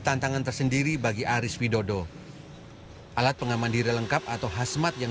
tantangan tersendiri bagi aris widodo alat pengaman diri lengkap atau khasmat yang